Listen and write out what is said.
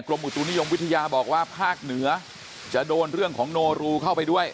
อุตุนิยมวิทยาบอกว่าภาคเหนือจะโดนเรื่องของโนรูเข้าไปด้วย